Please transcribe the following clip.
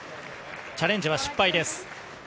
チャレンジは失敗です。